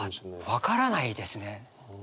分からないですね。